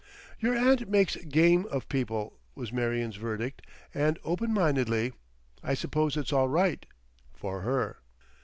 "Your aunt makes Game of people," was Marion's verdict, and, open mindedly: "I suppose it's all right... for her."